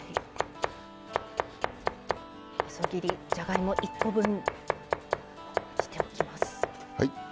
細切りじゃがいも１コ分切っておきます。